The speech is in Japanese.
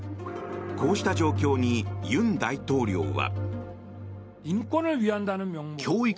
こうした状況に尹大統領は。